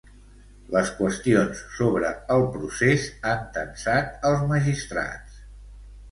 Les qüestions sobre el procés han tensat els magistrats.